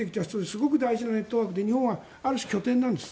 すごく大事なネットワークなんですが日本はある種、拠点なんです。